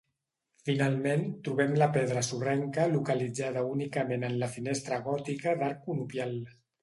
Finalment trobem la pedra sorrenca localitzada únicament en la finestra gòtica d'arc conopial.